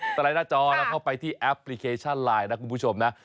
สไลด์หน้าจอเราเข้าไปที่แอปพลิเคชันไลน์นะคุณผู้ชมนะ